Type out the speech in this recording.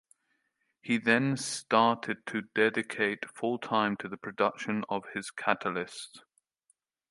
He then started to dedicate full-time to the production of his catalysts.